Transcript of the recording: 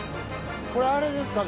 これあれですか？